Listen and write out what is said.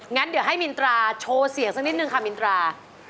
งั้นเดี๋ยวให้มินตราโชว์เสียงสักนิดนึงค่ะมินตรา